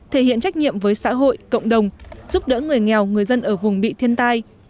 thể hiện trách nhiệm với xã hội cộng đồng giúp đỡ người nghèo người dân ở vùng bị thiên tai